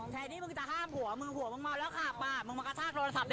แถวนี้มึงจะห้ามหัวมึงหัวเมาแล้วขับป่ะ